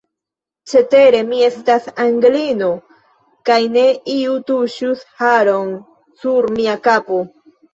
Cetere, mi estas Anglino, kaj se iu tuŝus haron sur mia kapo!